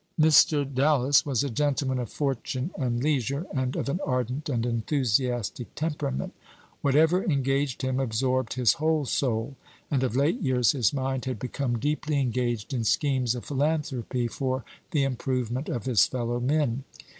Mr. Dallas was a gentleman of fortune and leisure, and of an ardent and enthusiastic temperament. Whatever engaged him absorbed his whole soul; and of late years, his mind had become deeply engaged in schemes of philanthropy for the improvement of his fellow men.